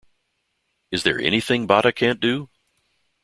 Is there anything Bata can't do?